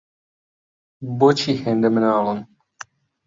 بۆچی هێندە مناڵن؟